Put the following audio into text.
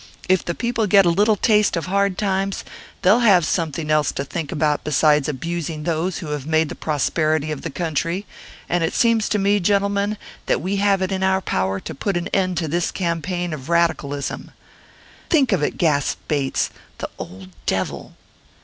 If the people get a little taste of hard times, they'll have something else to think about besides abusing those who have made the prosperity of the country; and it seems to me, gentlemen, that we have it in our power to put an end to this campaign of radicalism.'" "Think of it, think of it!" gasped Bates. "The old devil!"